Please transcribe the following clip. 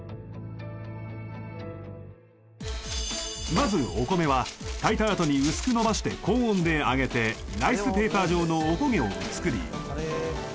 まずお米は炊いた後に薄く伸ばして高温で揚げてライスペーパー状のおこげを作り